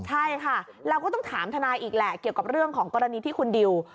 ใช่ค่ะเราก็ต้องถามทนายอีกแหละเกี่ยวกับเรื่องของกรณีที่คุณดิว